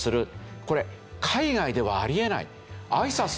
これ海外ではあり得ない。